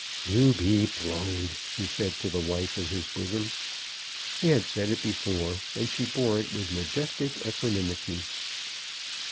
"You be blowed," he said to the wife of his bosom. He had said it before, and she bore it with majestic equanimity.